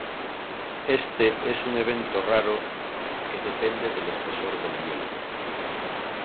Este es un evento raro que depende del espesor del hielo.